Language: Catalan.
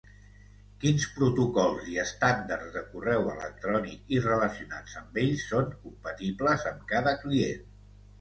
Quins protocols i estàndards de correu electrònic i relacionats amb ells són compatibles amb cada client.